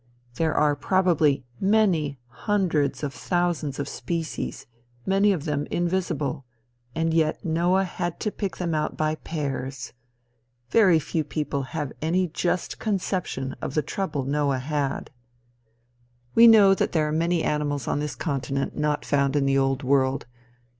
There are probably many hundreds of thousands of species; many of them invisible; and yet Noah had to pick them out by pairs. Very few people have any just conception of the trouble Noah had. We know that there are many animals on this continent not found in the Old World.